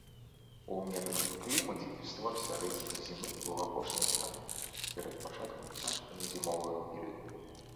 У ўмераным клімаце фестываль сярэдзіны зімы быў апошнім святам перад пачаткам цяжкага зімовага перыяду.